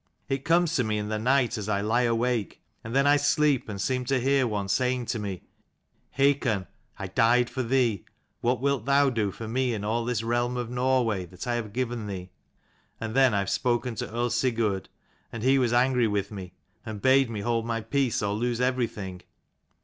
It comes to me in the night as I lie awake : and then I sleep and seem to hear one saying to me, Hakon, I died for thee : what wilt thou do for me in all this realm of Norway that I have given thee ? And then I have spoken to earl Sigurd, and he was angry with me, and bade me hold my peace, or lose everything.